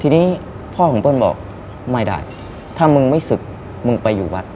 ทีนี้พ่อของเปิ้ลบอกไม่ได้ถ้ามึงไม่ศึกมึงไปอยู่วัด